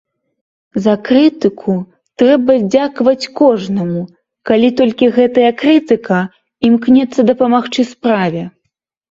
За крытыку трэба дзякаваць кожнаму, калі толькі гэтая крытыка імкнецца дапамагчы справе.